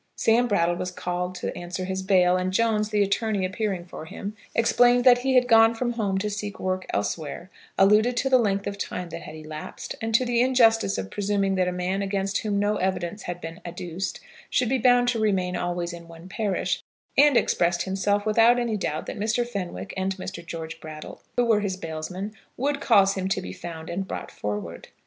Samuel Brattle was called upon to answer to his bail, and Jones, the attorney appearing for him, explained that he had gone from home to seek work elsewhere, alluded to the length of time that had elapsed, and to the injustice of presuming that a man against whom no evidence had been adduced, should be bound to remain always in one parish, and expressed himself without any doubt that Mr. Fenwick and Mr. George Brattle, who were his bailsmen, would cause him to be found and brought forward.